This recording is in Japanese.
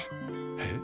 えっ？